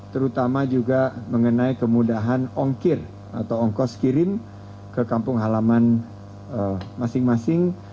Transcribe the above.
terutama juga mengenai kemudahan ongkir atau ongkos kirim ke kampung halaman masing masing